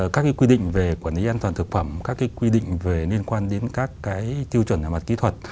các cái quy định về quản lý an toàn thực phẩm các cái quy định về liên quan đến các cái tiêu chuẩn hàng mặt kỹ thuật